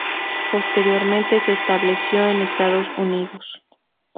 Posteriormente se estableció en Estados Unidos.